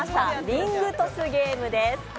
リングトスゲームです。